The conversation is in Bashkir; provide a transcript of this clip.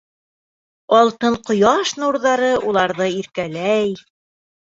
Алтын ҡояш нурҙары уларҙы иркәләй.